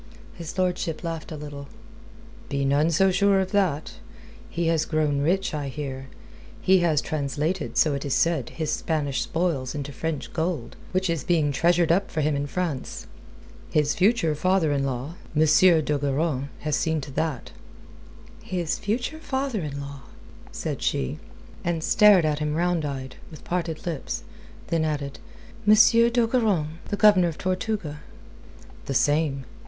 His lordship laughed a little. "Be none so sure of that. He has grown rich, I hear. He has translated, so it is said, his Spanish spoils into French gold, which is being treasured up for him in France. His future father in law, M. d'Ogeron, has seen to that." "His future father in law?" said she, and stared at him round eyed, with parted lips. Then added: "M. d'Ogeron? The Governor of Tortuga?" "The same.